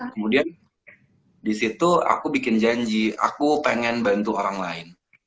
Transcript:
kemudian disitu aku bikin janji aku pengen bantu orang lain